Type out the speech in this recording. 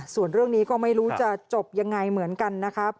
ส่วนเรื่องนี้ก็ไม่รู้จะจบยังไงเหมือนกันนะครับ